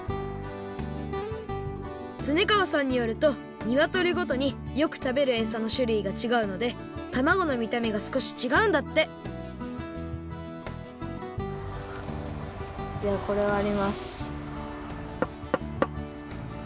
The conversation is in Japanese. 恒川さんによるとにわとりごとによくたべるえさのしゅるいがちがうのでたまごのみためがすこしちがうんだってではこれをわります。